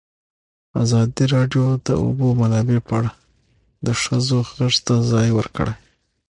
ازادي راډیو د د اوبو منابع په اړه د ښځو غږ ته ځای ورکړی.